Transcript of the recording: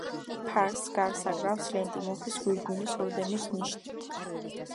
ფარს გარს აკრავს ლენტი მუხის გვირგვინის ორდენის ნიშნით.